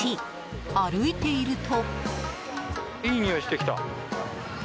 歩いていると。